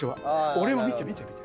俺を見て見て見て。